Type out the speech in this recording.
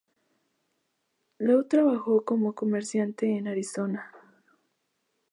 Lew trabajó como comerciante en Arizona.